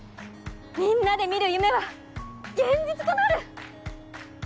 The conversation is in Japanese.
みんなで見る夢は現実となる」。